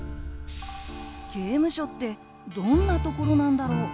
刑務所ってどんなところなんだろう？